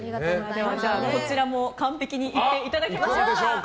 こちらも完璧にいっていただきましょうか。